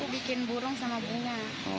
bikin burung sama bunga